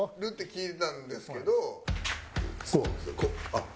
あっ！